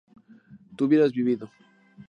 tú hubieras vivido